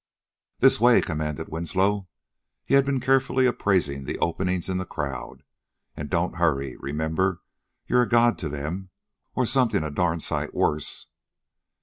"This way!" commanded Winslow. He had been carefully appraising the openings in the crowd. "And don't hurry! Remember, you're a god to them or something a darn sight worse."